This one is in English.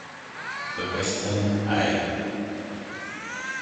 The Weston A.